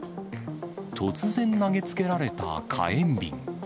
突然投げつけられた火炎瓶。